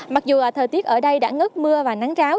mặc dù thời tiết ở đây đã ngớt mưa và nắng ráo